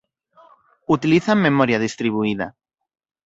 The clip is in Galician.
Utilizan memoria distribuída.